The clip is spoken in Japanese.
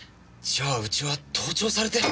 じゃあうちは盗聴されて。